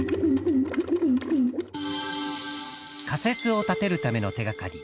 仮説を立てるための手がかり